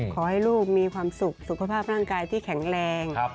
ขอให้ลูกมีความสุขสุขภาพร่างกายที่แข็งแรง